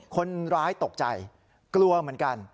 คนร้ายตกใจกลัวเหมือนกัน